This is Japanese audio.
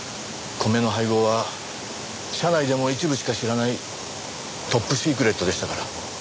米の配合は社内でも一部しか知らないトップシークレットでしたから。